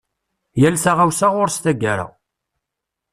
Yal taɣawsa ɣur-s taggara.